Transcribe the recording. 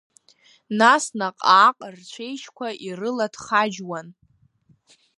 Нас наҟ-ааҟ рцәеижьқәа ирылаҭхаџьуан…